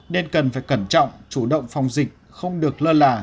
nên cần phải cẩn trọng chủ động phòng dịch không được lơ là